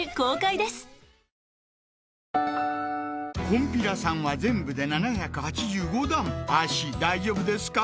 「こんぴらさん」は全部で７８５段脚大丈夫ですか？